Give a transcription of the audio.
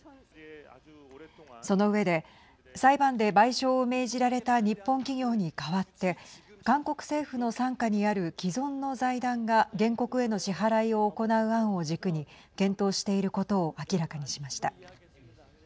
その上で裁判で賠償を命じられた日本企業に代わって韓国政府の傘下にある既存の財団が原告への支払いを行う案を軸に検討していることを明らかにしました。